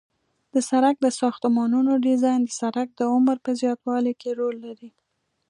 د سرک د ساختمانونو ډیزاین د سرک د عمر په زیاتوالي کې رول لري